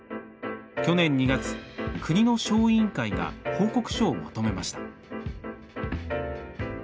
去年２月、国の小委員会が報告書をまとめました。